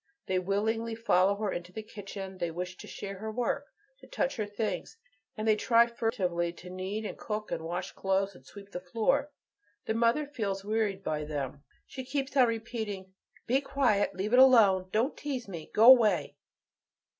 They willingly follow her into the kitchen, they wish to share her work, to touch her things, and they try furtively to knead and cook and wash clothes, and sweep the floor. The mother feels wearied by them; she keeps on repeating, "Be quiet; leave it alone. Don't tease me. Go away."